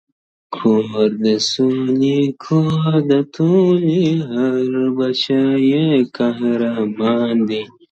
چي پر هره تړه ورسو زموږ برى دئ.!